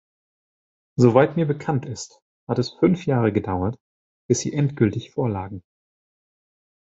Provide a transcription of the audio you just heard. Soweit mir bekannt ist, hat es fünf Jahre gedauert, bis sie endgültig vorlagen.